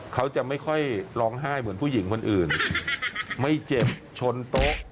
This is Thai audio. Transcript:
เขาจะไม่ค่อยร้องไห้เหมือนผู้หญิงคนอื่นไม่เจ็บชนโต๊ะ